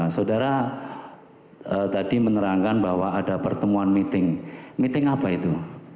saudara tadi menerangkan bahwa ada pertemuan meeting meeting apa itu